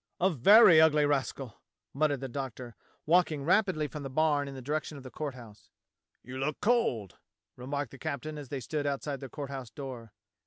" "A very ugly rascal," muttered the Doctor, walking rapidly from the barn in the direction of the Court House. "You look cold," remarked the captain as they stood outside the Court House door.